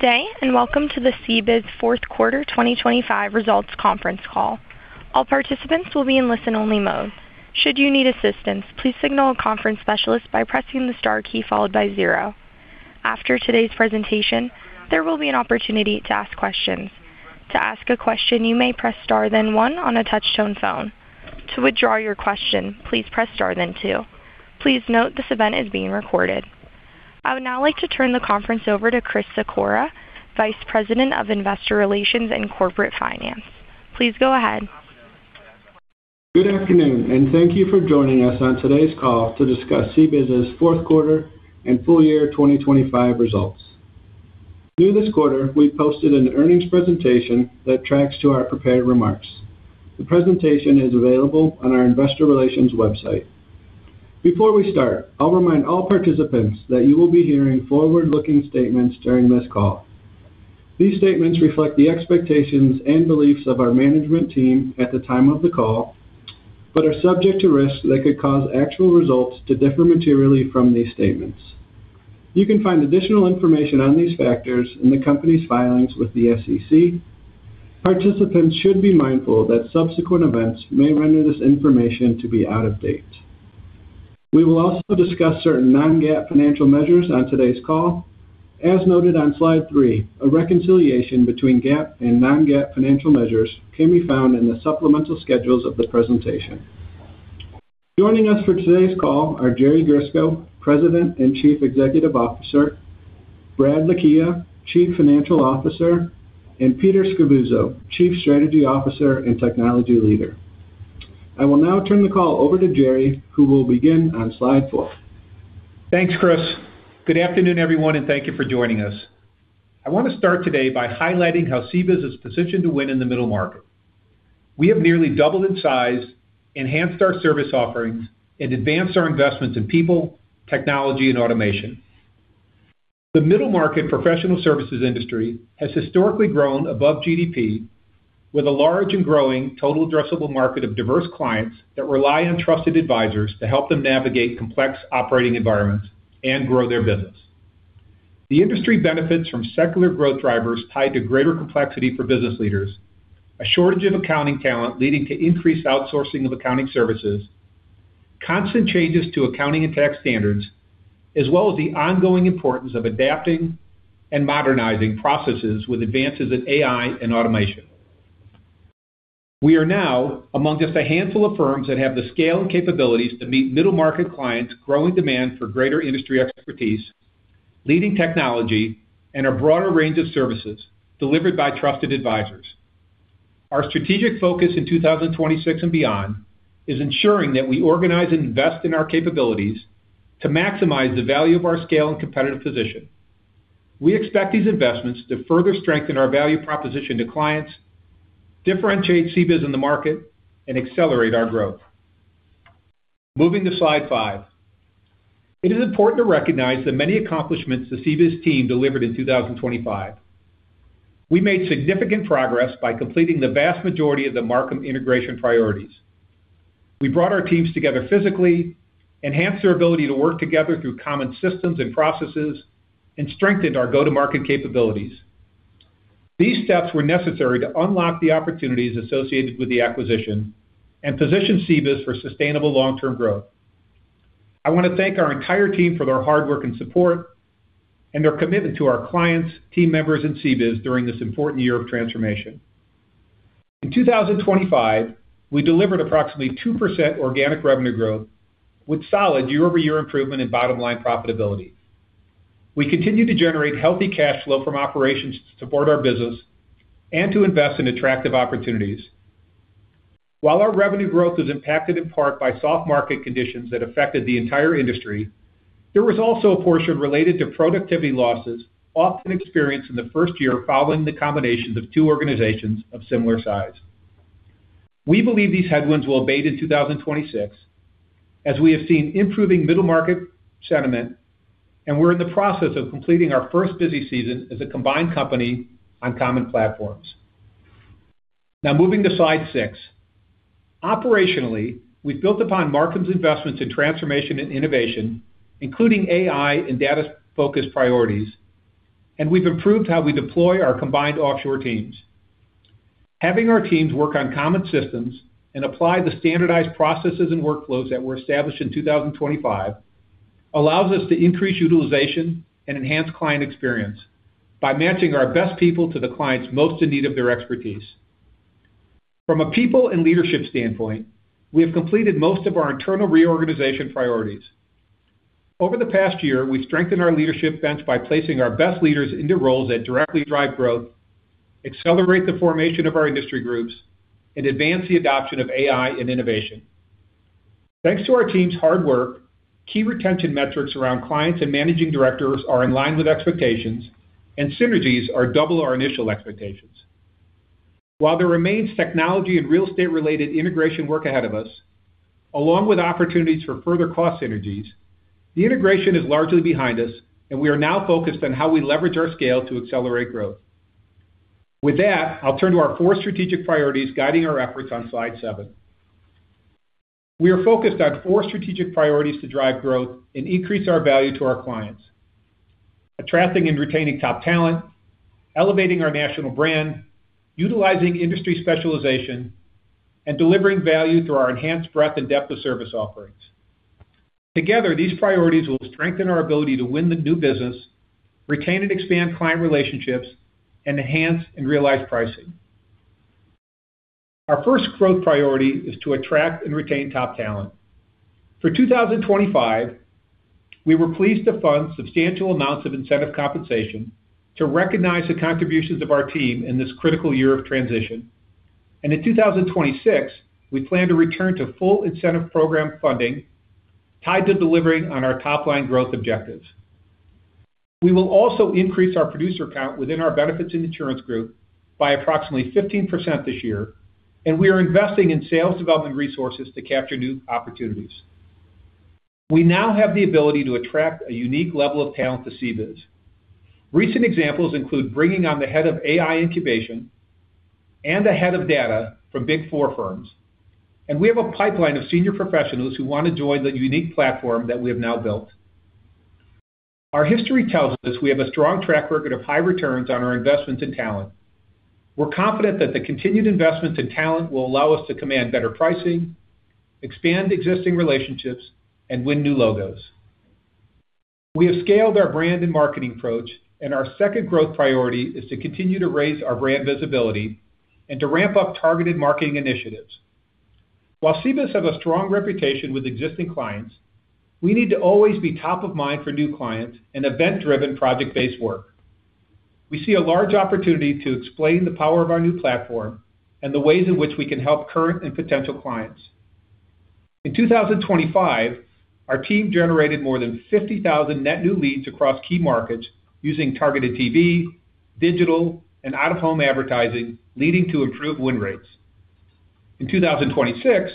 Good day, welcome to the CBIZ Fourth Quarter 2025 Results Conference Call. All participants will be in listen-only mode. Should you need assistance, please signal a conference specialist by pressing the star key followed by zero. After today's presentation, there will be an opportunity to ask questions. To ask a question, you may press star, then one on a touchtone phone. To withdraw your question, please press star, then two. Please note this event is being recorded. I would now like to turn the conference over to Chris Sikora, Vice President of Investor Relations and Corporate Finance. Please go ahead. Good afternoon, and thank you for joining us on today's call to discuss CBIZ's fourth quarter and full year 2025 results. New this quarter, we've posted an earnings presentation that tracks to our prepared remarks. The presentation is available on our investor relations website. Before we start, I'll remind all participants that you will be hearing forward-looking statements during this call. These statements reflect the expectations and beliefs of our management team at the time of the call, but are subject to risks that could cause actual results to differ materially from these statements. You can find additional information on these factors in the company's filings with the SEC. Participants should be mindful that subsequent events may render this information to be out of date. We will also discuss certain non-GAAP financial measures on today's call. As noted on slide three, a reconciliation between GAAP and non-GAAP financial measures can be found in the supplemental schedules of the presentation. Joining us for today's call are Jerry Grisko, President and Chief Executive Officer, Brad Lakhia, Chief Financial Officer, and Peter Scavuzzo, Chief Strategy Officer and Technology Leader. I will now turn the call over to Jerry, who will begin on slide four. Thanks, Chris. Good afternoon, everyone, and thank you for joining us. I want to start today by highlighting how CBIZ is positioned to win in the middle market. We have nearly doubled in size, enhanced our service offerings, and advanced our investments in people, technology, and automation. The middle market professional services industry has historically grown above GDP, with a large and growing total addressable market of diverse clients that rely on trusted advisors to help them navigate complex operating environments and grow their business. The industry benefits from secular growth drivers tied to greater complexity for business leaders, a shortage of accounting talent, leading to increased outsourcing of accounting services, constant changes to accounting and tax standards, as well as the ongoing importance of adapting and modernizing processes with advances in AI and automation. We are now among just a handful of firms that have the scale and capabilities to meet middle-market clients' growing demand for greater industry expertise, leading technology, and a broader range of services delivered by trusted advisors. Our strategic focus in 2026 and beyond is ensuring that we organize and invest in our capabilities to maximize the value of our scale and competitive position. We expect these investments to further strengthen our value proposition to clients, differentiate CBIZ in the market, and accelerate our growth. Moving to slide five. It is important to recognize the many accomplishments the CBIZ team delivered in 2025. We made significant progress by completing the vast majority of the Marcum integration priorities. We brought our teams together physically, enhanced their ability to work together through common systems and processes, and strengthened our go-to-market capabilities. These steps were necessary to unlock the opportunities associated with the acquisition and position CBIZ for sustainable long-term growth. I want to thank our entire team for their hard work and support, and their commitment to our clients, team members, and CBIZ during this important year of transformation. In 2025, we delivered approximately 2% organic revenue growth, with solid year-over-year improvement in bottom-line profitability. We continue to generate healthy cash flow from operations to support our business and to invest in attractive opportunities. While our revenue growth was impacted in part by soft market conditions that affected the entire industry, there was also a portion related to productivity losses often experienced in the first year following the combination of two organizations of similar size. We believe these headwinds will abate in 2026, as we have seen improving middle market sentiment. We're in the process of completing our first busy season as a combined company on common platforms. Moving to slide six. Operationally, we've built upon Marcum's investments in transformation and innovation, including AI and data-focused priorities. We've improved how we deploy our combined offshore teams. Having our teams work on common systems and apply the standardized processes and workflows that were established in 2025 allows us to increase utilization and enhance client experience by matching our best people to the clients most in need of their expertise. From a people and leadership standpoint, we have completed most of our internal reorganization priorities. Over the past year, we've strengthened our leadership bench by placing our best leaders into roles that directly drive growth, accelerate the formation of our industry groups, and advance the adoption of AI and innovation. Thanks to our team's hard work, key retention metrics around clients and managing directors are in line with expectations, and synergies are double our initial expectations. While there remains technology and real estate-related integration work ahead of us, along with opportunities for further cost synergies, the integration is largely behind us, and we are now focused on how we leverage our scale to accelerate growth. With that, I'll turn to our four strategic priorities guiding our efforts on slide seven. We are focused on four strategic priorities to drive growth and increase our value to our clients: attracting and retaining top talent, elevating our national brand, utilizing industry specialization, and delivering value through our enhanced breadth and depth of service offerings. Together, these priorities will strengthen our ability to win the new business, retain and expand client relationships, and enhance and realize pricing. Our first growth priority is to attract and retain top talent. For 2025, we were pleased to fund substantial amounts of incentive compensation to recognize the contributions of our team in this critical year of transition. In 2026, we plan to return to full incentive program funding tied to delivering on our top line growth objectives. We will also increase our producer count within our benefits and insurance group by approximately 15% this year. We are investing in sales development resources to capture new opportunities. We now have the ability to attract a unique level of talent to CBIZ. Recent examples include bringing on the head of AI incubation and the head of data from Big Four firms. We have a pipeline of senior professionals who want to join the unique platform that we have now built. Our history tells us we have a strong track record of high returns on our investments in talent. We're confident that the continued investments in talent will allow us to command better pricing, expand existing relationships, and win new logos. We have scaled our brand and marketing approach, and our second growth priority is to continue to raise our brand visibility and to ramp up targeted marketing initiatives. While CBIZ have a strong reputation with existing clients, we need to always be top of mind for new clients and event-driven, project-based work. We see a large opportunity to explain the power of our new platform and the ways in which we can help current and potential clients. In 2025, our team generated more than 50,000 net new leads across key markets using targeted TV, digital, and out-of-home advertising, leading to improved win rates. In 2026,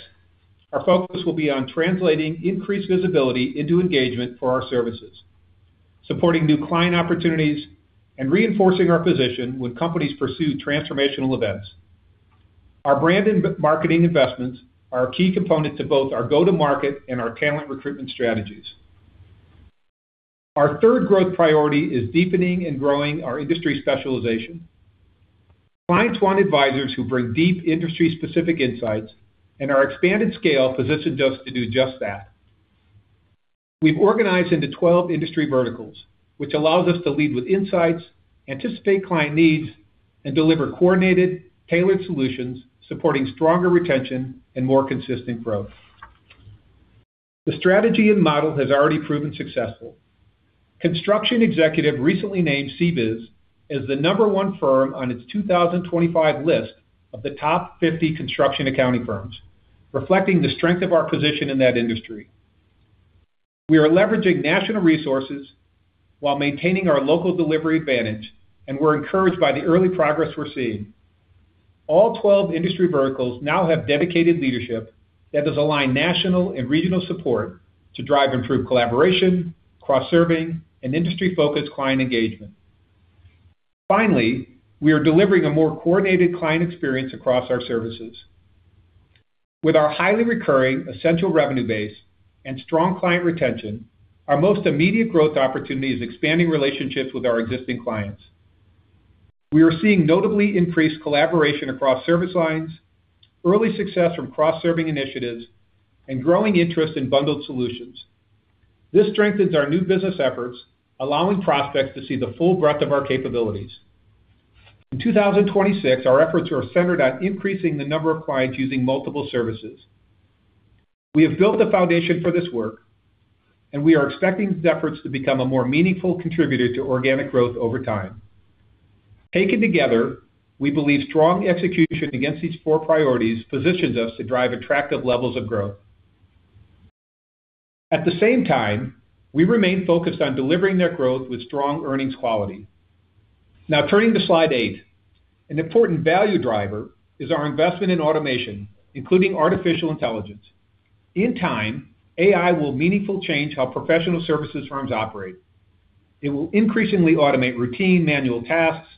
our focus will be on translating increased visibility into engagement for our services, supporting new client opportunities, and reinforcing our position when companies pursue transformational events. Our brand and marketing investments are a key component to both our go-to-market and our talent recruitment strategies. Our third growth priority is deepening and growing our industry specialization. Clients want advisors who bring deep industry-specific insights, and our expanded scale positions us to do just that. We've organized into 12 industry verticals, which allows us to lead with insights, anticipate client needs, and deliver coordinated, tailored solutions, supporting stronger retention and more consistent growth. The strategy and model has already proven successful. Construction Executive recently named CBIZ as the number one firm on its 2025 list of the top 50 construction accounting firms, reflecting the strength of our position in that industry. We are leveraging national resources while maintaining our local delivery advantage, and we're encouraged by the early progress we're seeing. All 12 industry verticals now have dedicated leadership that has aligned national and regional support to drive improved collaboration, cross-serving, and industry-focused client engagement. Finally, we are delivering a more coordinated client experience across our services. With our highly recurring, essential revenue base and strong client retention, our most immediate growth opportunity is expanding relationships with our existing clients. We are seeing notably increased collaboration across service lines, early success from cross-serving initiatives, and growing interest in bundled solutions. This strengthens our new business efforts, allowing prospects to see the full breadth of our capabilities. In 2026, our efforts are centered on increasing the number of clients using multiple services. We have built a foundation for this work, and we are expecting these efforts to become a more meaningful contributor to organic growth over time. Taken together, we believe strong execution against these four priorities positions us to drive attractive levels of growth. At the same time, we remain focused on delivering that growth with strong earnings quality. Turning to slide eight. An important value driver is our investment in automation, including artificial intelligence. In time, AI will meaningfully change how professional services firms operate. It will increasingly automate routine manual tasks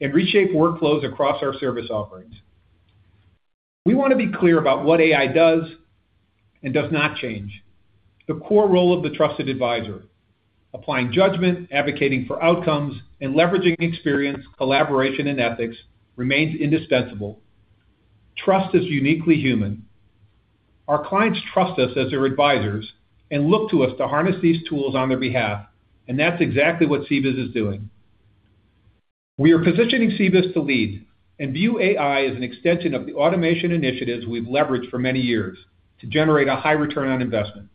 and reshape workflows across our service offerings. We want to be clear about what AI does and does not change. The core role of the trusted advisor, applying judgment, advocating for outcomes, and leveraging experience, collaboration, and ethics, remains indispensable. Trust is uniquely human. Our clients trust us as their advisors and look to us to harness these tools on their behalf, and that's exactly what CBIZ is doing. We are positioning CBIZ to lead and view AI as an extension of the automation initiatives we've leveraged for many years to generate a high return on investment.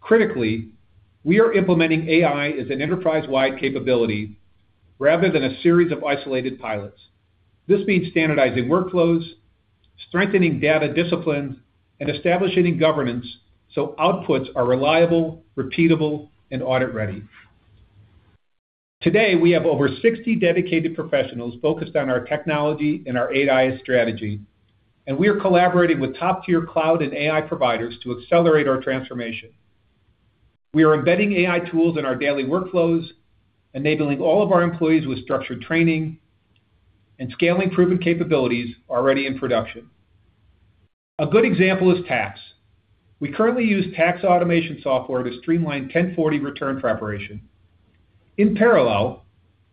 Critically, we are implementing AI as an enterprise-wide capability rather than a series of isolated pilots. This means standardizing workflows, strengthening data discipline, and establishing governance so outputs are reliable, repeatable, and audit ready. Today, we have over 60 dedicated professionals focused on our technology and our AI strategy, and we are collaborating with top-tier cloud and AI providers to accelerate our transformation. We are embedding AI tools in our daily workflows, enabling all of our employees with structured training, and scaling proven capabilities already in production. A good example is tax. We currently use tax automation software to streamline 1040 return preparation. In parallel,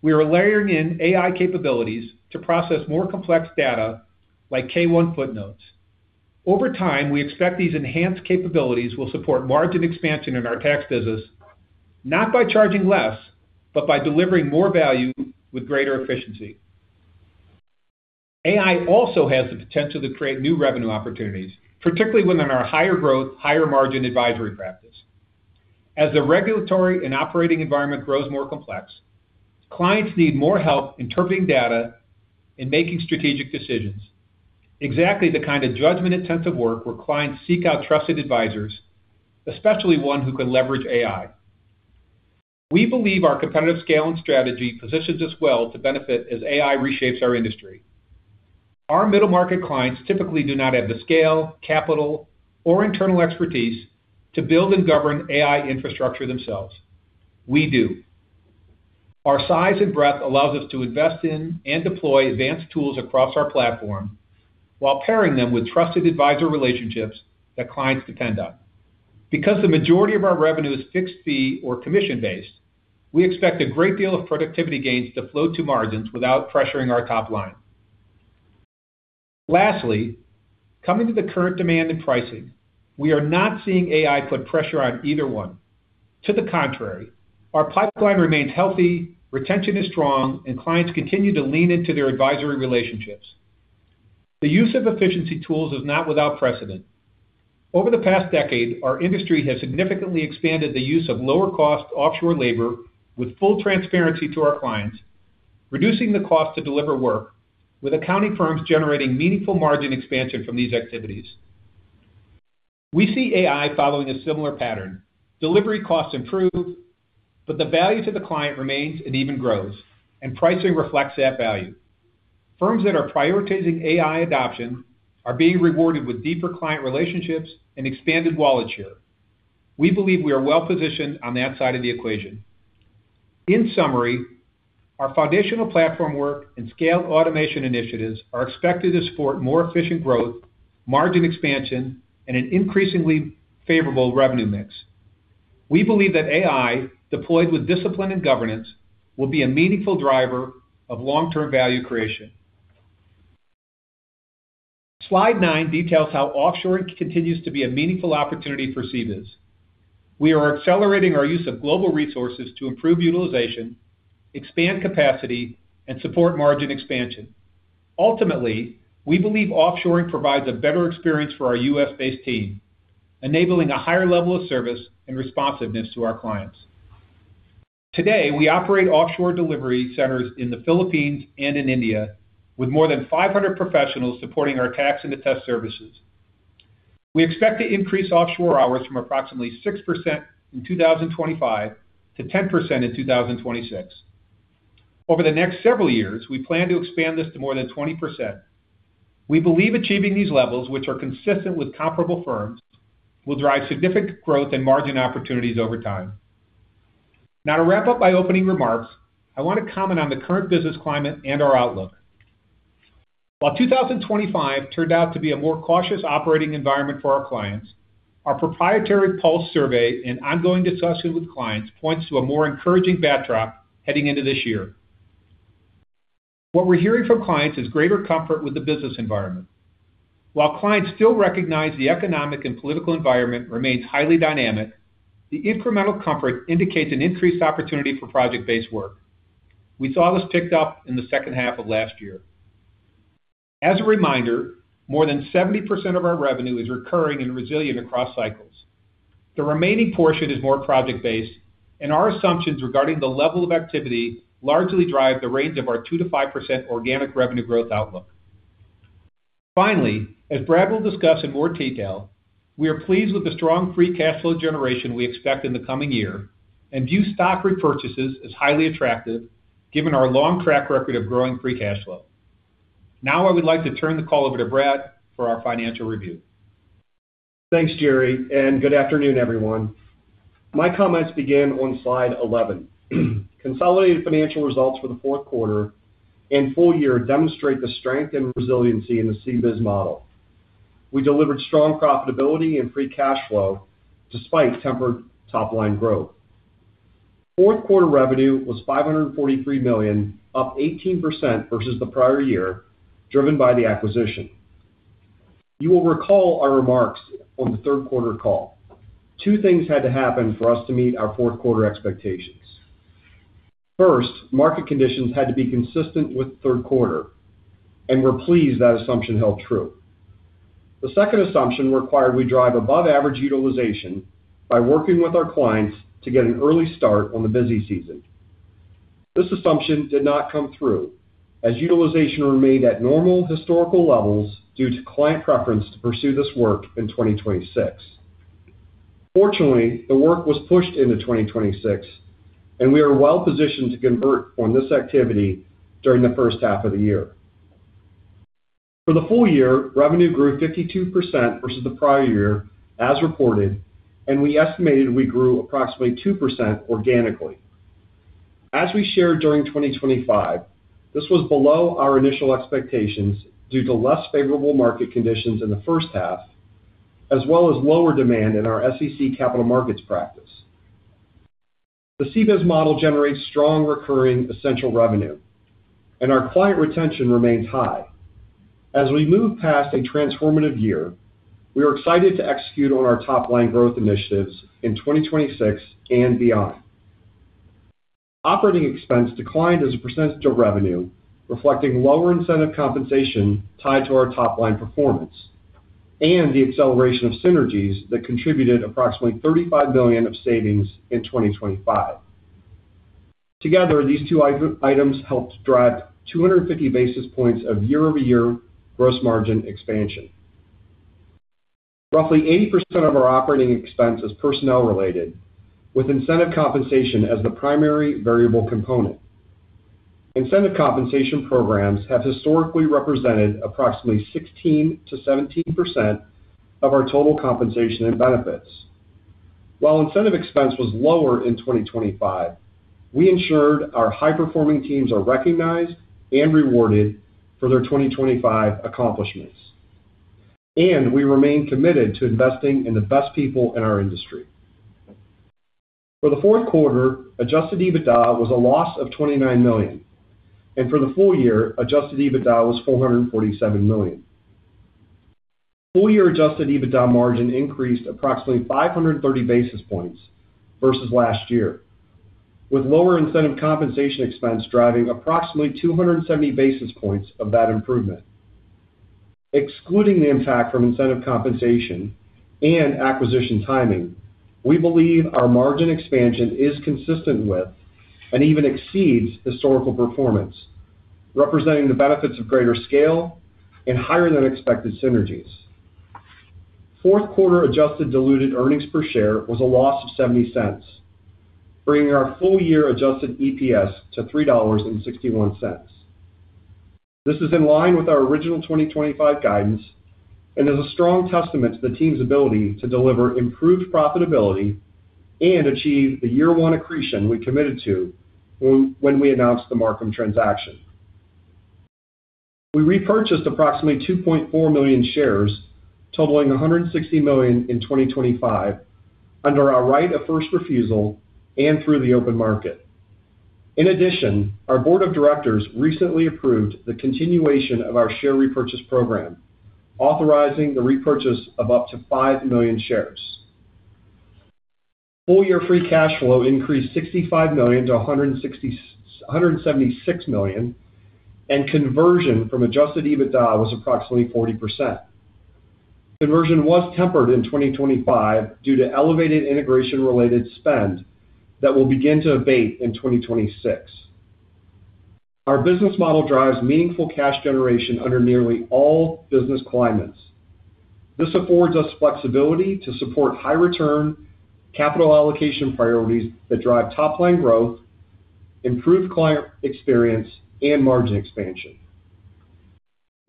we are layering in AI capabilities to process more complex data like K-1 footnotes. Over time, we expect these enhanced capabilities will support margin expansion in our tax business, not by charging less, but by delivering more value with greater efficiency. AI also has the potential to create new revenue opportunities, particularly within our higher growth, higher margin advisory practice. As the regulatory and operating environment grows more complex, clients need more help interpreting data and making strategic decisions. Exactly the kind of judgment-intensive work where clients seek out trusted advisors, especially one who can leverage AI. We believe our competitive scale and strategy positions us well to benefit as AI reshapes our industry. Our middle-market clients typically do not have the scale, capital, or internal expertise to build and govern AI infrastructure themselves. We do. Our size and breadth allows us to invest in and deploy advanced tools across our platform, while pairing them with trusted advisor relationships that clients depend on. The majority of our revenue is fixed fee or commission-based, we expect a great deal of productivity gains to flow to margins without pressuring our top line. Lastly, coming to the current demand and pricing, we are not seeing AI put pressure on either one. To the contrary, our pipeline remains healthy, retention is strong, and clients continue to lean into their advisory relationships. The use of efficiency tools is not without precedent. Over the past decade, our industry has significantly expanded the use of lower-cost offshore labor with full transparency to our clients, reducing the cost to deliver work, with accounting firms generating meaningful margin expansion from these activities. We see AI following a similar pattern. Delivery costs improve, but the value to the client remains and even grows, and pricing reflects that value. Firms that are prioritizing AI adoption are being rewarded with deeper client relationships and expanded wallet share. We believe we are well-positioned on that side of the equation. Our foundational platform work and scaled automation initiatives are expected to support more efficient growth, margin expansion, and an increasingly favorable revenue mix. We believe that AI, deployed with discipline and governance, will be a meaningful driver of long-term value creation. Slide nine details how offshoring continues to be a meaningful opportunity for CBIZ. We are accelerating our use of global resources to improve utilization, expand capacity, and support margin expansion. We believe offshoring provides a better experience for our U.S.-based team, enabling a higher level of service and responsiveness to our clients. We operate offshore delivery centers in the Philippines and in India, with more than 500 professionals supporting our tax and attest services. We expect to increase offshore hours from approximately 6% in 2025 to 10% in 2026. Over the next several years, we plan to expand this to more than 20%. We believe achieving these levels, which are consistent with comparable firms, will drive significant growth and margin opportunities over time. To wrap up my opening remarks, I want to comment on the current business climate and our outlook. While 2025 turned out to be a more cautious operating environment for our clients, our proprietary pulse survey and ongoing discussion with clients points to a more encouraging backdrop heading into this year. What we're hearing from clients is greater comfort with the business environment. While clients still recognize the economic and political environment remains highly dynamic, the incremental comfort indicates an increased opportunity for project-based work. We saw this picked up in the second half of last year. As a reminder, more than 70% of our revenue is recurring and resilient across cycles. The remaining portion is more project-based, and our assumptions regarding the level of activity largely drive the range of our 2%-5% organic revenue growth outlook. Finally, as Brad will discuss in more detail, we are pleased with the strong free cash flow generation we expect in the coming year, and view stock repurchases as highly attractive, given our long track record of growing free cash flow. Now, I would like to turn the call over to Brad for our financial review. Thanks, Jerry, and good afternoon, everyone. My comments begin on slide 11. Consolidated financial results for the fourth quarter and full year demonstrate the strength and resiliency in the CBIZ model. We delivered strong profitability and free cash flow despite tempered top-line growth. Fourth quarter revenue was $543 million, up 18% versus the prior year, driven by the acquisition. You will recall our remarks on the third quarter call. Two things had to happen for us to meet our fourth quarter expectations. First, market conditions had to be consistent with third quarter. We're pleased that assumption held true. The second assumption required we drive above average utilization by working with our clients to get an early start on the busy season. This assumption did not come through, as utilization remained at normal historical levels due to client preference to pursue this work in 2026. Fortunately, the work was pushed into 2026. We are well positioned to convert on this activity during the first half of the year. For the full year, revenue grew 52% versus the prior year, as reported, and we estimated we grew approximately 2% organically. As we shared during 2025, this was below our initial expectations due to less favorable market conditions in the first half, as well as lower demand in our SEC capital markets practice. The CBIZ model generates strong, recurring, essential revenue, and our client retention remains high. As we move past a transformative year, we are excited to execute on our top line growth initiatives in 2026 and beyond. Operating expense declined as a percentage of revenue, reflecting lower incentive compensation tied to our top-line performance and the acceleration of synergies that contributed approximately $35 million of savings in 2025. Together, these two items helped drive 250 basis points of year-over-year gross margin expansion. Roughly 80% of our operating expense is personnel-related, with incentive compensation as the primary variable component. Incentive compensation programs have historically represented approximately 16%-17% of our total compensation and benefits. While incentive expense was lower in 2025, we ensured our high-performing teams are recognized and rewarded for their 2025 accomplishments, and we remain committed to investing in the best people in our industry. For the fourth quarter, adjusted EBITDA was a loss of $29 million, and for the full year, adjusted EBITDA was $447 million. Full-year adjusted EBITDA margin increased approximately 530 basis points versus last year, with lower incentive compensation expense driving approximately 270 basis points of that improvement. Excluding the impact from incentive compensation and acquisition timing, we believe our margin expansion is consistent with, and even exceeds, historical performance, representing the benefits of greater scale and higher-than-expected synergies. Fourth quarter adjusted diluted earnings per share was a loss of $0.70, bringing our full-year adjusted EPS to $3.61. This is in line with our original 2025 guidance and is a strong testament to the team's ability to deliver improved profitability and achieve the year one accretion we committed to when we announced the Marcum transaction. We repurchased approximately 2.4 million shares, totaling $160 million in 2025, under our right of first refusal and through the open market. In addition, our board of directors recently approved the continuation of our share repurchase program, authorizing the repurchase of up to 5 million shares. Full-year free cash flow increased $65 million to $176 million. Conversion from adjusted EBITDA was approximately 40%. Conversion was tempered in 2025 due to elevated integration-related spend that will begin to abate in 2026. Our business model drives meaningful cash generation under nearly all business climates. This affords us flexibility to support high return, capital allocation priorities that drive top-line growth, improved client experience, and margin expansion.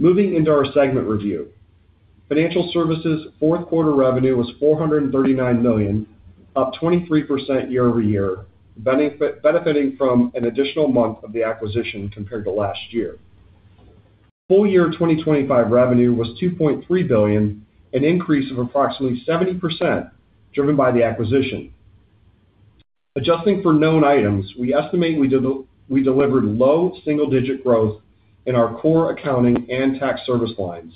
Moving into our segment review. Financial Services' fourth quarter revenue was $439 million, up 23% year-over-year, benefiting from an additional month of the acquisition compared to last year. Full year 2025 revenue was $2.3 billion, an increase of approximately 70%, driven by the acquisition. Adjusting for known items, we estimate we delivered low single-digit growth in our core accounting and tax service lines,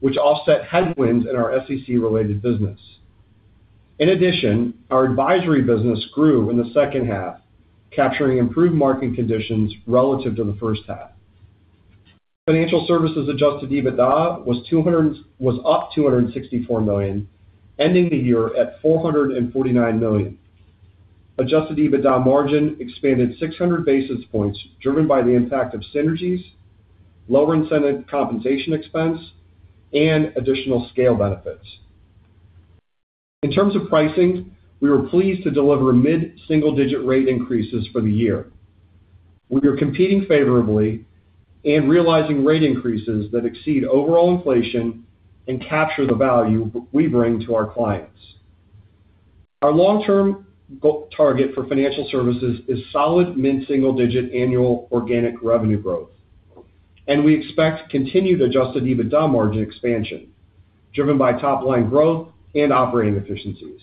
which offset headwinds in our SEC-related business. In addition, our advisory business grew in the second half, capturing improved market conditions relative to the first half. Financial Services adjusted EBITDA was up $264 million, ending the year at $449 million. Adjusted EBITDA margin expanded 600 basis points, driven by the impact of synergies, lower incentive compensation expense, and additional scale benefits. In terms of pricing, we were pleased to deliver mid-single-digit rate increases for the year. We are competing favorably and realizing rate increases that exceed overall inflation and capture the value we bring to our clients. Our long-term target for Financial Services is solid mid-single-digit annual organic revenue growth, and we expect continued adjusted EBITDA margin expansion, driven by top-line growth and operating efficiencies.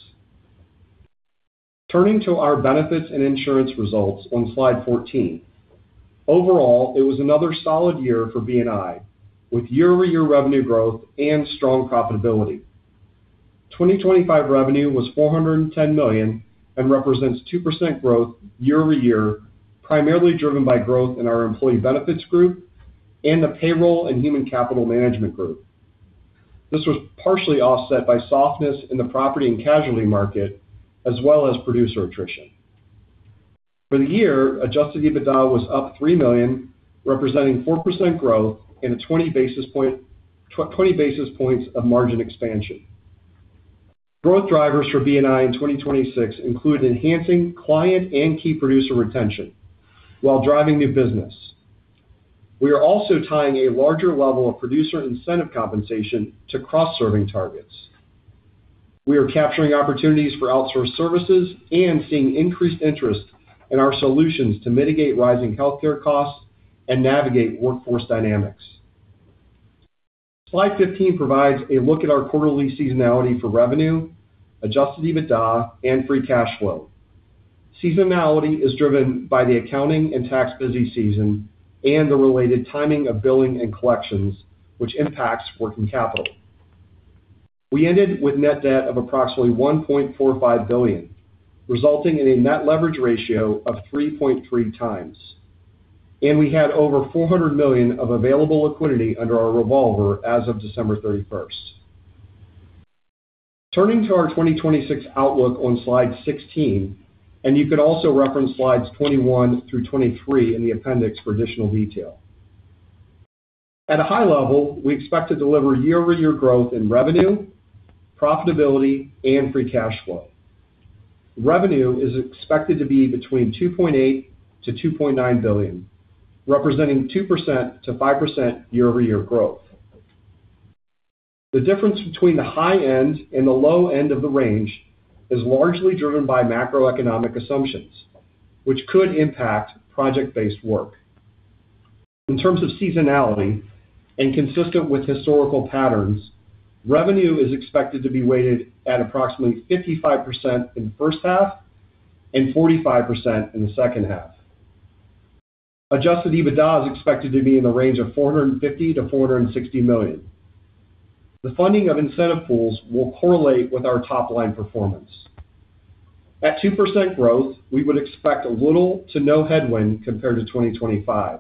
Turning to our benefits and insurance results on slide 14. Overall, it was another solid year for BNI, with year-over-year revenue growth and strong profitability. 2025 revenue was $410 million and represents 2% growth year-over-year, primarily driven by growth in our employee benefits group and the payroll and human capital management group. This was partially offset by softness in the property and casualty market, as well as producer attrition. For the year, adjusted EBITDA was up $3 million, representing 4% growth and 20 basis points of margin expansion. Growth drivers for BNI in 2026 include enhancing client and key producer retention while driving new business. We are also tying a larger level of producer incentive compensation to cross-serving targets. We are capturing opportunities for outsourced services and seeing increased interest in our solutions to mitigate rising healthcare costs and navigate workforce dynamics. Slide 15 provides a look at our quarterly seasonality for revenue, adjusted EBITDA, and free cash flow. Seasonality is driven by the accounting and tax busy season and the related timing of billing and collections, which impacts working capital. We ended with net debt of approximately $1.45 billion, resulting in a net leverage ratio of 3.3 times, we had over $400 million of available liquidity under our revolver as of December 31st. Turning to our 2026 outlook on slide 16, you could also reference slides 21 through 23 in the appendix for additional detail. At a high level, we expect to deliver year-over-year growth in revenue, profitability, and free cash flow. Revenue is expected to be between $2.8 billion-$2.9 billion, representing 2%-5% year-over-year growth. The difference between the high end and the low end of the range is largely driven by macroeconomic assumptions, which could impact project-based work. In terms of seasonality, and consistent with historical patterns, revenue is expected to be weighted at approximately 55% in the first half and 45% in the second half. Adjusted EBITDA is expected to be in the range of $450 million-$460 million. The funding of incentive pools will correlate with our top-line performance. At 2% growth, we would expect little to no headwind compared to 2025.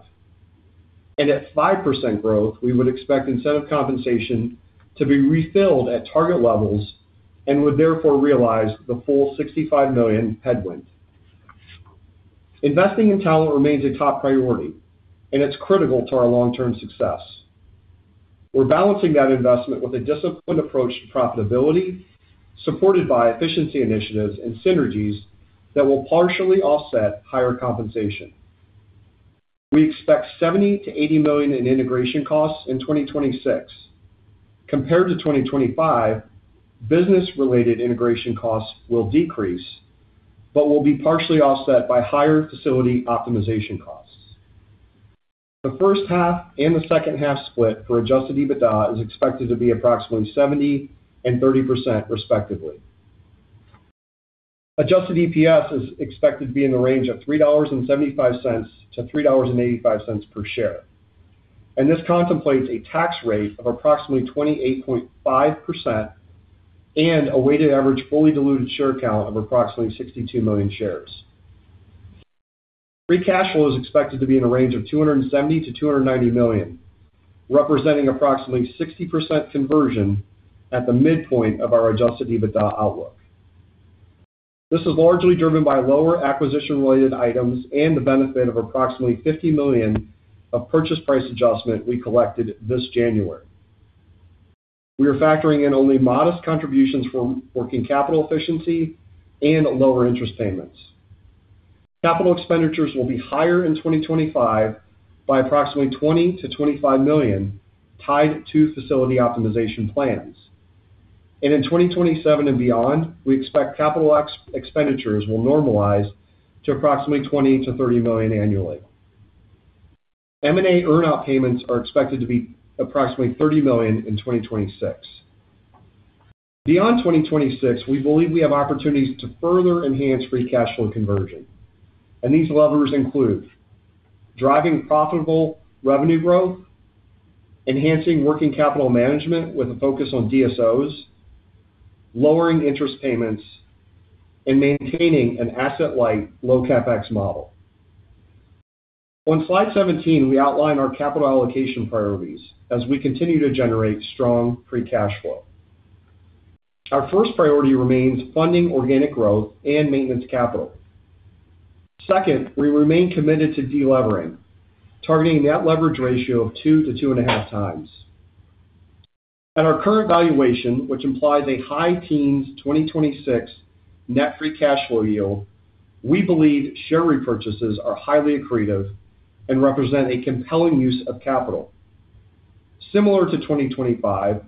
At 5% growth, we would expect incentive compensation to be refilled at target levels and would therefore realize the full $65 million headwind. Investing in talent remains a top priority. It's critical to our long-term success. We're balancing that investment with a disciplined approach to profitability, supported by efficiency initiatives and synergies that will partially offset higher compensation. We expect $70 million-$80 million in integration costs in 2026. Compared to 2025, business-related integration costs will decrease but will be partially offset by higher facility optimization costs. The first half and the second half split for adjusted EBITDA is expected to be approximately 70% and 30%, respectively. Adjusted EPS is expected to be in the range of $3.75-$3.85 per share. This contemplates a tax rate of approximately 28.5% and a weighted average fully diluted share count of approximately 62 million shares. free cash flow is expected to be in the range of $270 million-$290 million, representing approximately 60% conversion at the midpoint of our adjusted EBITDA outlook. This is largely driven by lower acquisition-related items and the benefit of approximately $50 million of purchase price adjustment we collected this January. We are factoring in only modest contributions from working capital efficiency and lower interest payments. Capital expenditures will be higher in 2025 by approximately $20 million-$25 million, tied to facility optimization plans. In 2027 and beyond, we expect capital expenditures will normalize to approximately $20 million-$30 million annually. M&A earn-out payments are expected to be approximately $30 million in 2026. Beyond 2026, we believe we have opportunities to further enhance free cash flow conversion, and these levers include driving profitable revenue growth, enhancing working capital management with a focus on DSOs, lowering interest payments, and maintaining an asset-light, low CapEx model. On slide 17, we outline our capital allocation priorities as we continue to generate strong free cash flow. Our first priority remains funding organic growth and maintenance capital. Second, we remain committed to delevering, targeting a net leverage ratio of 2 to 2.5 times. At our current valuation, which implies a high teens 2026 net free cash flow yield, we believe share repurchases are highly accretive and represent a compelling use of capital. Similar to 2025,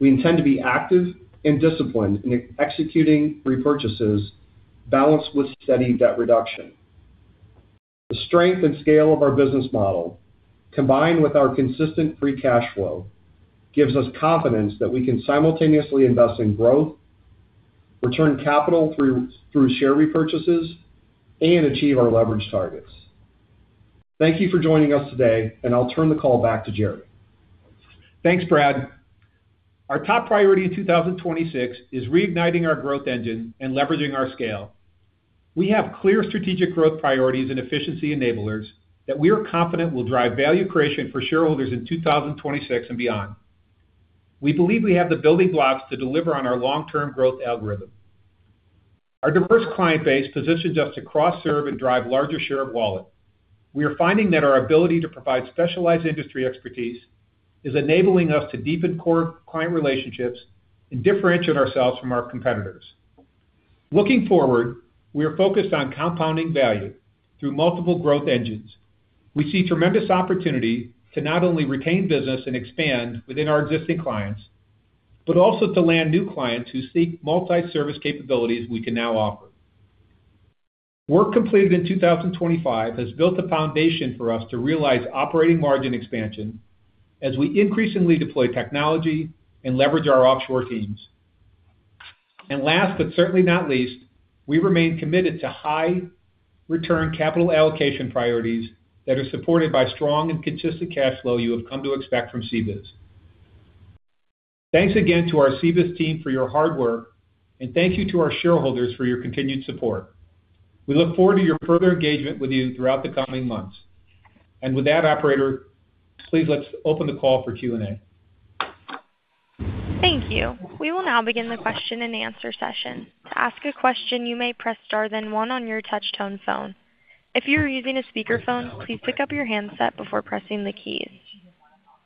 we intend to be active and disciplined in executing repurchases, balanced with steady debt reduction. The strength and scale of our business model, combined with our consistent free cash flow, gives us confidence that we can simultaneously invest in growth, return capital through share repurchases, and achieve our leverage targets. Thank you for joining us today, and I'll turn the call back to Jerry. Thanks, Brad. Our top priority in 2026 is reigniting our growth engine and leveraging our scale. We have clear strategic growth priorities and efficiency enablers that we are confident will drive value creation for shareholders in 2026 and beyond. We believe we have the building blocks to deliver on our long-term growth algorithm. Our diverse client base positions us to cross-serve and drive larger share of wallet. We are finding that our ability to provide specialized industry expertise is enabling us to deepen core client relationships and differentiate ourselves from our competitors. Looking forward, we are focused on compounding value through multiple growth engines. We see tremendous opportunity to not only retain business and expand within our existing clients, but also to land new clients who seek multi-service capabilities we can now offer. Work completed in 2025 has built the foundation for us to realize operating margin expansion as we increasingly deploy technology and leverage our offshore teams. Last, but certainly not least, we remain committed to high return capital allocation priorities that are supported by strong and consistent cash flow you have come to expect from CBIZ. Thanks again to our CBIZ team for your hard work, and thank you to our shareholders for your continued support. We look forward to your further engagement with you throughout the coming months. With that, operator, please, let's open the call for Q&A. Thank you. We will now begin the Q&A session. To ask a question, you may press star then one on your touchtone phone. If you are using a speakerphone, please pick up your handset before pressing the keys.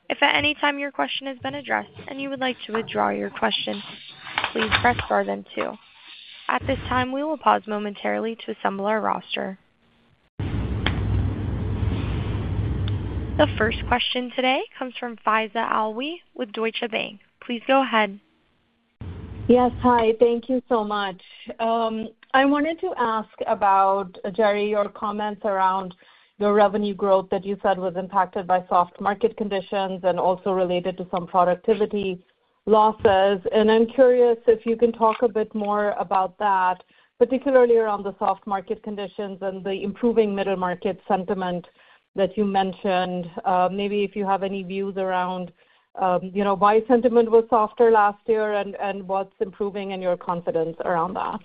If at any time your question has been addressed and you would like to withdraw your question, please press star then two. At this time, we will pause momentarily to assemble our roster. The first question today comes from Faiza Alwy with Deutsche Bank. Please go ahead. Yes, hi. Thank you so much. I wanted to ask about, Jerry, your comments around your revenue growth that you said was impacted by soft market conditions and also related to some productivity losses. I'm curious if you can talk a bit more about that, particularly around the soft market conditions and the improving middle market sentiment that you mentioned. Maybe if you have any views around, you know, why sentiment was softer last year and what's improving in your confidence around that?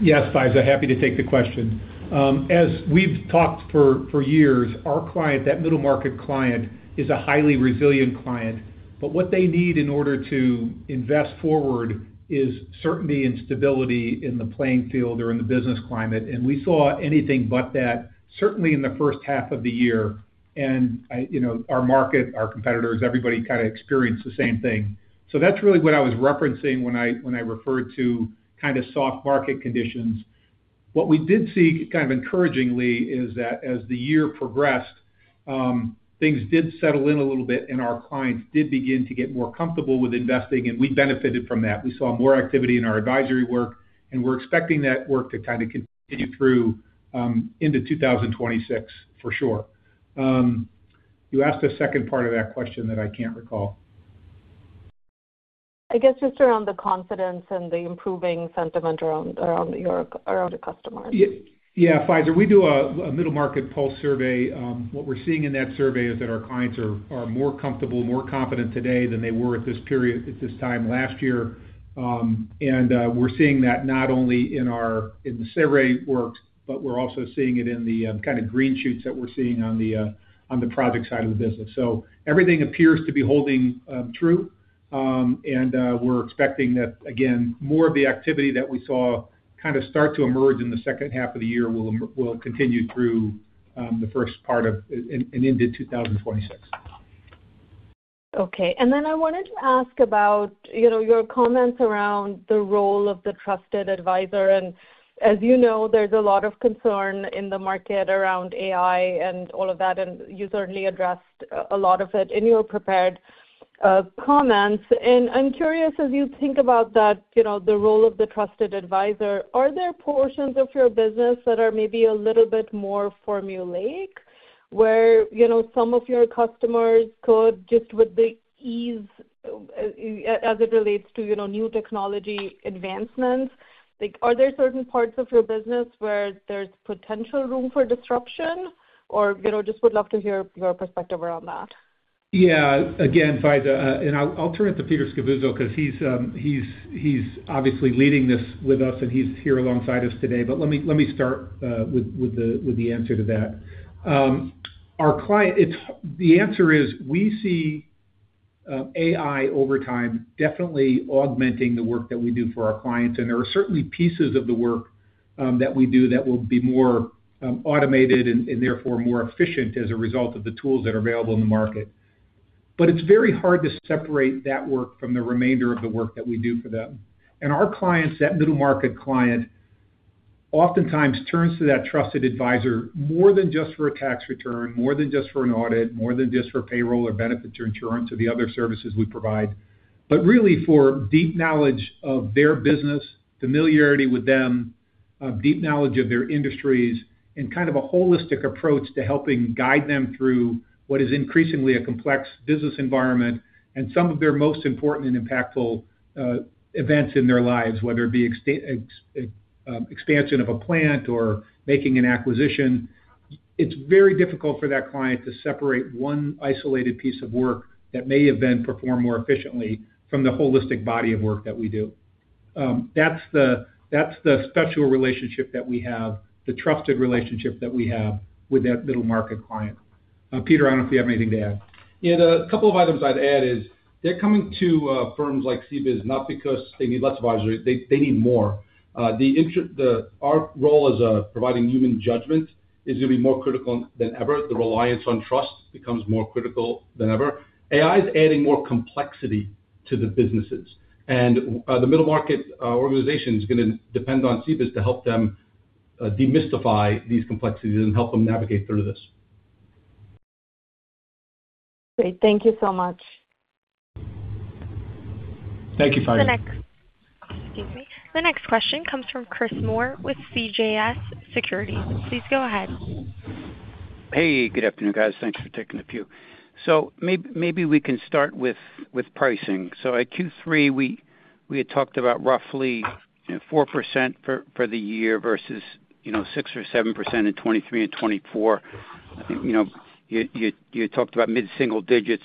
Yes, Faiza, happy to take the question. As we've talked for years, our client, that middle-market client, is a highly resilient client, but what they need in order to invest forward is certainty and stability in the playing field or in the business climate, and we saw anything but that, certainly in the first half of the year. You know, our market, our competitors, everybody kind of experienced the same thing. That's really what I was referencing when I referred to kind of soft market conditions. What we did see, kind of encouragingly, is that as the year progressed, things did settle in a little bit, and our clients did begin to get more comfortable with investing, and we benefited from that. We saw more activity in our advisory work, we're expecting that work to kind of continue through into 2026, for sure. You asked a second part of that question that I can't recall. I guess just around the confidence and the improving sentiment around your customers. Yeah, Faiza, we do a middle-market pulse survey. What we're seeing in that survey is that our clients are more comfortable, more confident today than they were at this time last year. We're seeing that not only in the survey work, but we're also seeing it in the kind of green shoots that we're seeing on the project side of the business. Everything appears to be holding true, and we're expecting that, again, more of the activity that we saw kind of start to emerge in the second half of the year will continue through the first part of, and into 2026. Okay. I wanted to ask about, you know, your comments around the role of the trusted advisor. As you know, there's a lot of concern in the market around AI and all of that, and you certainly addressed a lot of it in your prepared comments. I'm curious, as you think about that, you know, the role of the trusted advisor, are there portions of your business that are maybe a little bit more formulaic, where, you know, some of your customers could, just with the ease, as it relates to, you know, new technology advancements, like, are there certain parts of your business where there's potential room for disruption? You know, just would love to hear your perspective around that? Yeah. Again, Faiza, I'll turn it to Peter Scavuzzo because he's obviously leading this with us, and he's here alongside us today. Let me start with the answer to that. The answer is, we see AI over time, definitely augmenting the work that we do for our clients, and there are certainly pieces of the work that we do that will be more automated and therefore, more efficient as a result of the tools that are available in the market. It's very hard to separate that work from the remainder of the work that we do for them. Our clients, that middle-market client, oftentimes turns to that trusted advisor more than just for a tax return, more than just for an audit, more than just for payroll or benefits or insurance or the other services we provide, but really for deep knowledge of their business, familiarity with them, deep knowledge of their industries, and kind of a holistic approach to helping guide them through what is increasingly a complex business environment and some of their most important and impactful events in their lives, whether it be expansion of a plant or making an acquisition. It's very difficult for that client to separate one isolated piece of work that may have been performed more efficiently from the holistic body of work that we do. That's the, that's the special relationship that we have, the trusted relationship that we have with that middle-market client. Peter, I don't know if you have anything to add. Yeah, the couple of items I'd add is they're coming to firms like CBIZ, not because they need less advisory, they need more. Our role as providing human judgment is going to be more critical than ever. The reliance on trust becomes more critical than ever. AI is adding more complexity to the businesses, the middle market organization is going to depend on CBIZ to help them demystify these complexities and help them navigate through this. Great. Thank you so much. Thank you, Faiza. Excuse me. The next question comes from Chris Moore with CJS Securities. Please go ahead. Hey, good afternoon, guys. Thanks for taking a few. Maybe we can start with pricing. At Q3, we had talked about roughly, you know, 4% for the year versus, you know, 6% or 7% in 2023 and 2024. You know, you talked about mid-single digits.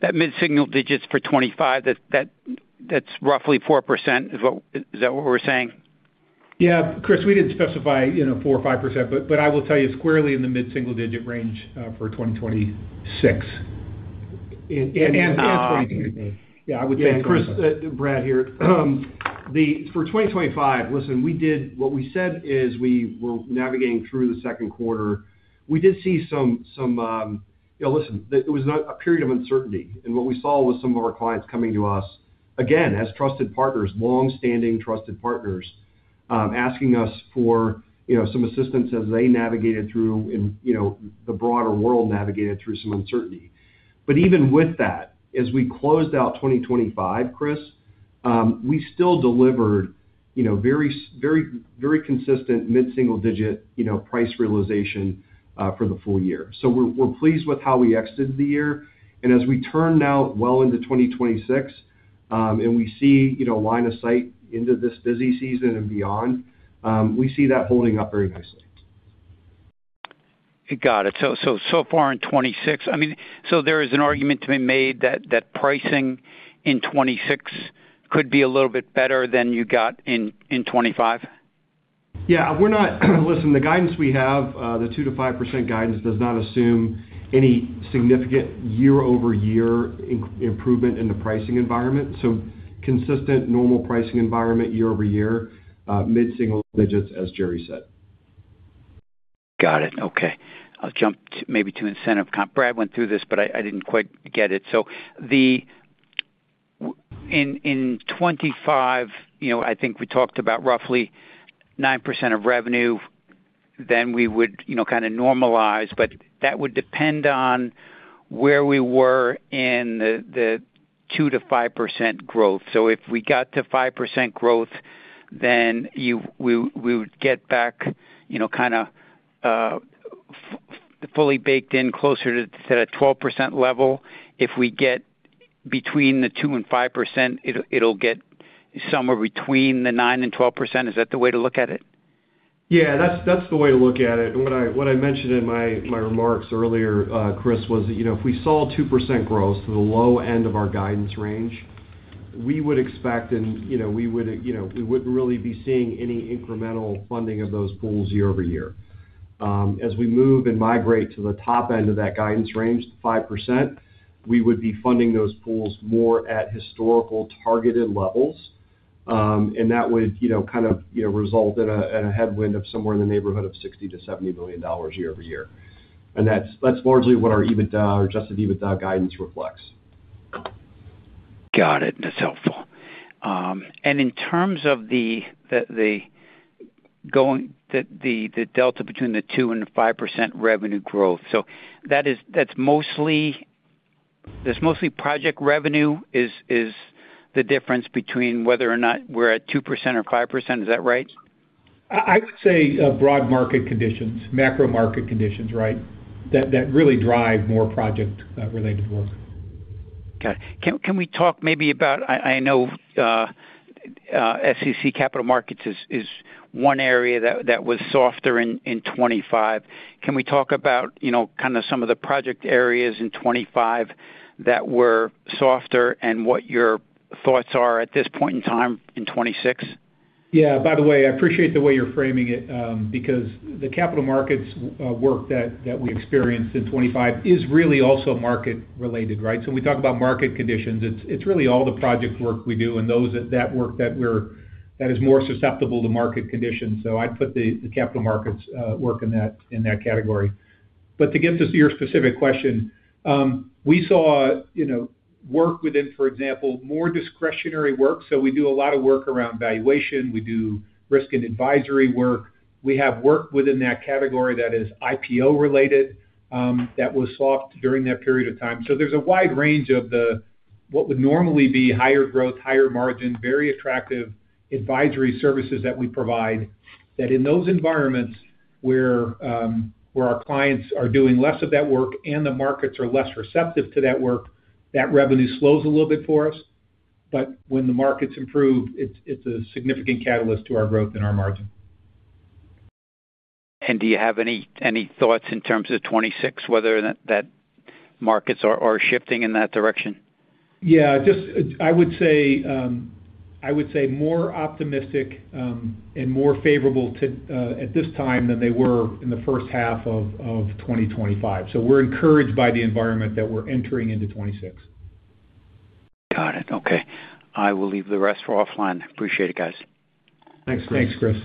That mid-single digits for 2025, that's roughly 4%, is that what we're saying? Yeah, Chris, we didn't specify, you know, 4% or 5%, but I will tell you squarely in the mid-single-digit range, for 2026. Chris, Brad here. For 2025, listen, what we said is, we were navigating through the second quarter. We did see some, you know, listen, there was a period of uncertainty. What we saw was some of our clients coming to us, again, as trusted partners, long-standing trusted partners, asking us for, you know, some assistance as they navigated through and, you know, the broader world navigated through some uncertainty. Even with that, as we closed out 2025, Chris, we still delivered, you know, very consistent mid-single digit, you know, price realization for the full year. We're pleased with how we exited the year. As we turn now well into 2026, and we see, you know, line of sight into this busy season and beyond, we see that holding up very nicely. Got it. So far in 2026, I mean, so there is an argument to be made that pricing in 2026 could be a little bit better than you got in 2025? listen, the guidance we have, the 2%-5% guidance does not assume any significant year-over-year improvement in the pricing environment. Consistent, normal pricing environment year-over-year, mid-single digits, as Jerry said. Got it. Okay. I'll jump to maybe to incentive comp. Brad went through this, but I didn't quite get it. In 25, you know, I think we talked about roughly 9% of revenue, then we would, you know, kind of normalize, but that would depend on where we were in the 2%-5% growth. If we got to 5% growth, we would get back, you know, kind of, fully baked in closer to that 12% level. If we get between the 2% and 5%, it'll get somewhere between the 9% and 12%. Is that the way to look at it? Yeah, that's the way to look at it. What I mentioned in my remarks earlier, Chris, was that, you know, if we saw 2% growth to the low end of our guidance range, we wouldn't really be seeing any incremental funding of those pools year-over-year. As we move and migrate to the top end of that guidance range, 5%, we would be funding those pools more at historical targeted levels, and that would, you know, kind of, you know, result in a headwind of somewhere in the neighborhood of $60 billion-$70 billion year-over-year. That's largely what our EBITDA or adjusted EBITDA guidance reflects. Got it. That's helpful. In terms of the delta between the 2% and 5% revenue growth, that's mostly project revenue is the difference between whether or not we're at 2% or 5%. Is that right? I would say, broad market conditions, macro market conditions, right? That really drive more project related work. Okay. Can we talk maybe about, I know SEC capital markets is one area that was softer in 2025. Can we talk about, you know, kind of some of the project areas in 2025 that were softer and what your thoughts are at this point in time in 2026? Yeah. By the way, I appreciate the way you're framing it, because the capital markets work that we experienced in 25 is really also market related, right? When we talk about market conditions, it's really all the project work we do and those that work that is more susceptible to market conditions. I'd put the capital markets work in that category. To get to your specific question, we saw, you know, work within, for example, more discretionary work. We do a lot of work around valuation. We do risk and advisory work. We have work within that category that is IPO related, that was soft during that period of time. There's a wide range of the, what would normally be higher growth, higher margin, very attractive advisory services that we provide, that in those environments where our clients are doing less of that work and the markets are less receptive to that work, that revenue slows a little bit for us. When the markets improve, it's a significant catalyst to our growth and our margin. Do you have any thoughts in terms of 2026, whether markets are shifting in that direction? Yeah, just I would say, I would say more optimistic and more favorable to at this time than they were in the first half of 2025. We're encouraged by the environment that we're entering into 2026. Got it. Okay. I will leave the rest for offline. Appreciate it, guys. Thanks, Chris.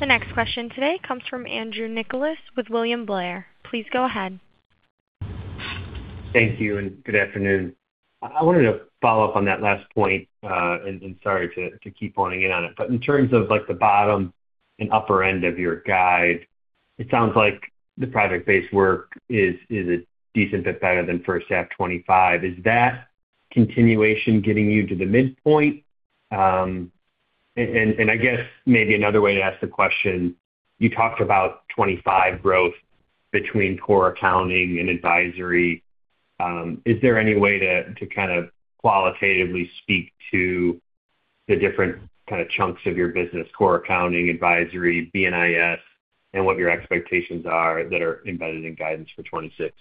The next question today comes from Andrew Nicholas with William Blair. Please go ahead. Thank you. Good afternoon. I wanted to follow up on that last point, and sorry to keep honing in on it. In terms of, like, the bottom and upper end of your guide, it sounds like the project-based work is a decent bit better than first half 2025. Is that continuation getting you to the midpoint? I guess maybe another way to ask the question, you talked about 2025 growth between core accounting and advisory. Is there any way to kind of qualitatively speak to the different kind of chunks of your business, core accounting, advisory, B&I, and what your expectations are that are embedded in guidance for 2026?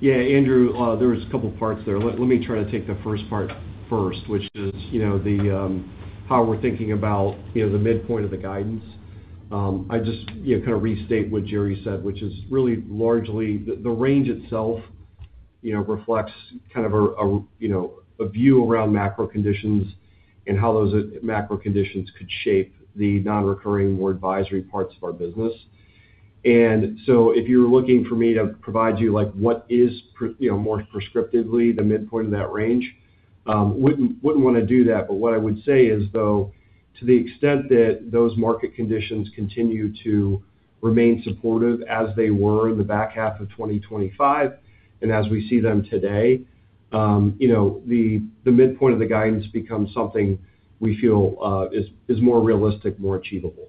Yeah, Andrew, there was a couple parts there. Let me try to take the first part first, which is, you know, how we're thinking about, you know, the midpoint of the guidance. I just, you know, kind of restate what Jerry said, which is really largely the range itself, you know, reflects kind of a view around macro conditions and how those macro conditions could shape the non-recurring, more advisory parts of our business. If you're looking for me to provide you like, what is, you know, more prescriptively the midpoint of that range, wouldn't want to do that. What I would say is, though, to the extent that those market conditions continue to remain supportive as they were in the back half of 2025, and as we see them today, you know, the midpoint of the guidance becomes something we feel is more realistic, more achievable.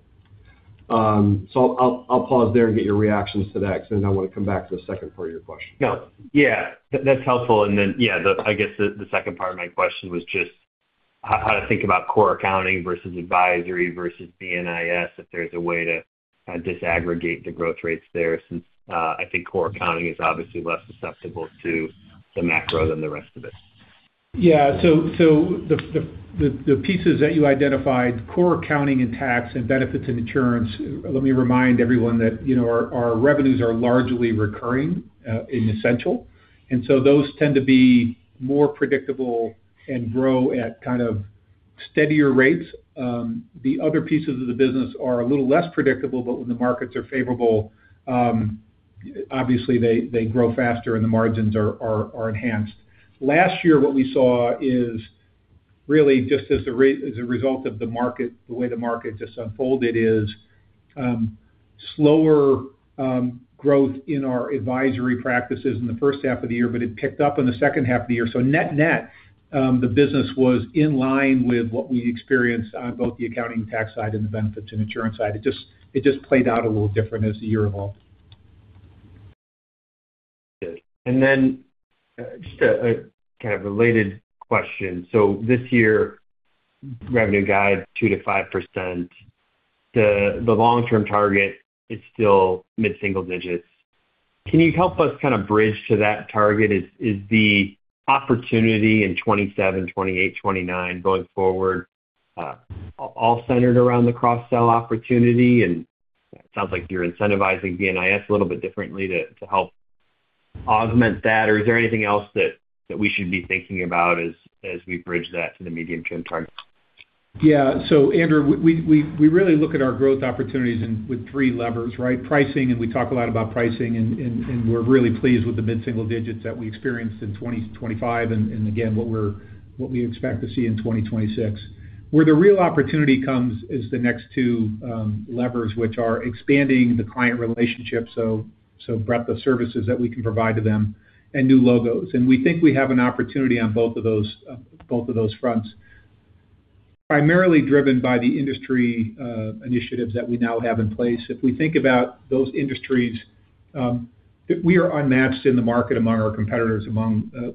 I'll pause there and get your reactions to that, because then I want to come back to the second part of your question. No. Yeah, that's helpful. Then, yeah, I guess the second part of my question was just how to think about core accounting versus advisory versus B&I, if there's a way to disaggregate the growth rates there, since I think core accounting is obviously less susceptible to the macro than the rest of it. The pieces that you identified, core accounting and tax and benefits and insurance, let me remind everyone that, you know, our revenues are largely recurring, in Essential, and so those tend to be more predictable and grow at kind of steadier rates. The other pieces of the business are a little less predictable, but when the markets are favorable, obviously they grow faster and the margins are enhanced. Last year, what we saw is really just as a result of the market, the way the market just unfolded, is slower growth in our advisory practices in the first half of the year, but it picked up in the second half of the year. Net-net, the business was in line with what we experienced on both the accounting tax side and the benefits and insurance side. It just played out a little different as the year evolved. Then, just a kind of related question. This year, revenue guide 2%-5%. The long-term target is still mid-single digits. Can you help us kind of bridge to that target? Is the opportunity in 2027, 2028, 2029 going forward, all centered around the cross-sell opportunity? It sounds like you're incentivizing B&I a little bit differently to help augment that, or is there anything else that we should be thinking about as we bridge that to the medium-term target? Yeah. Andrew, we really look at our growth opportunities and with three levers, right? Pricing, and we talk a lot about pricing, and we're really pleased with the mid-single digits that we experienced in 2025, and again, what we expect to see in 2026. Where the real opportunity comes is the next two levers, which are expanding the client relationship, so breadth of services that we can provide to them and new logos. We think we have an opportunity on both of those, both of those fronts, primarily driven by the industry initiatives that we now have in place. If we think about those industries, we are unmatched in the market among our competitors,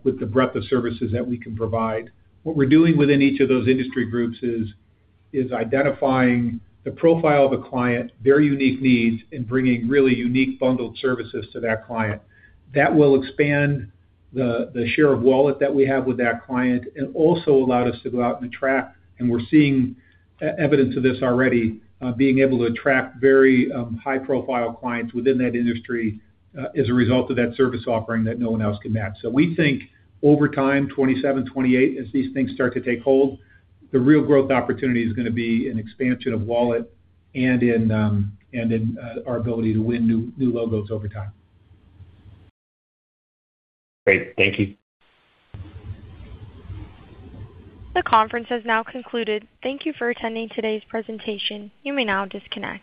with the breadth of services that we can provide. What we're doing within each of those industry groups is identifying the profile of a client, their unique needs, and bringing really unique bundled services to that client. That will expand the share of wallet that we have with that client and also allowed us to go out and attract, and we're seeing evidence of this already, being able to attract very high-profile clients within that industry, as a result of that service offering that no one else can match. We think over time, 2027, 2028, as these things start to take hold, the real growth opportunity is going to be an expansion of wallet and in our ability to win new logos over time. Great. Thank you. The conference has now concluded. Thank you for attending today's presentation. You may now disconnect.